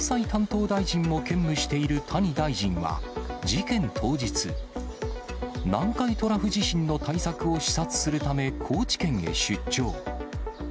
防災担当大臣を兼務している谷大臣は、事件当日、南海トラフ地震の対策を視察するため、高知県へ出張。